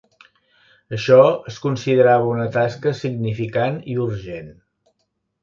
Això es considerava una tasca significant i urgent.